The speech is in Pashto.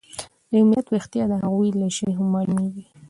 د یو ملت ويښتیا د هغوی له ژبې هم مالومیږي.